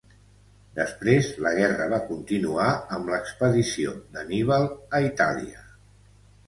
Després la guerra va continuar amb l'expedició d'Anníbal a Itàlia.